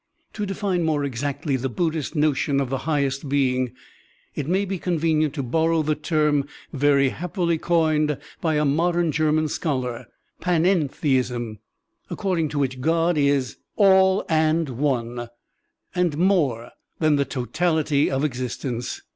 To define more exactly the Buddhist notion of the highest being, it may be convenient to bor row the term very happily coined by a modem German scholar, "panentheism, according to which God is vay koI €v (all and one) and more than the totality of existence.